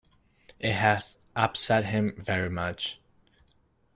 It has upset him very much.